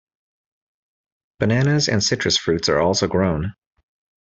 Bananas and citrus fruits are also grown.